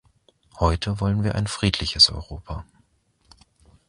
Heute wollen wir ein friedliches Europa.